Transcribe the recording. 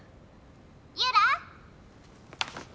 「ユラ！